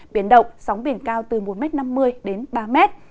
biển động sóng biển cao từ bốn năm mươi m đến ba m